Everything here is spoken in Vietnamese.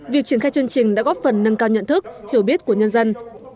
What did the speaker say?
việc triển khai chương trình đã góp phần nâng cao nhận thức hiểu biết của nhân dân